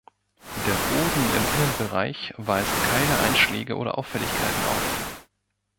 Der Boden im Innenbereich weist keine Einschläge oder Auffälligkeiten auf.